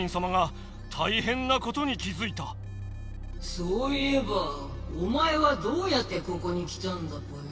そういえばおまえはどうやってここに来たんだぽよ？